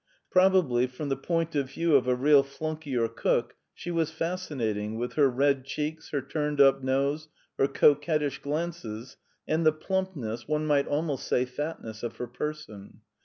Probably, from the point of view of a real flunkey or cook, she was fascinating, with her red cheeks, her turned up nose, her coquettish glances, and the plumpness, one might almost say fatness, of her person.